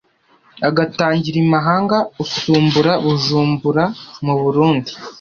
agatangira imahanga, Usumbura Bujumbura mu Burundi.